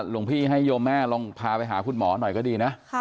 หลวงพี่ให้โยมแม่ลองพาไปหาคุณหมอหน่อยก็ดีนะ